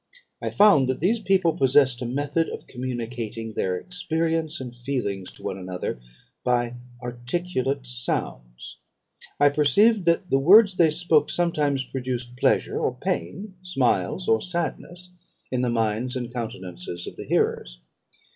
I found that these people possessed a method of communicating their experience and feelings to one another by articulate sounds. I perceived that the words they spoke sometimes, produced pleasure or pain, smiles or sadness, in the minds and countenances of the hearers.